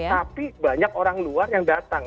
tapi banyak orang luar yang datang